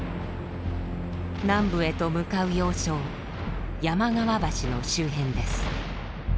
南部へと向かう要衝山川橋の周辺です。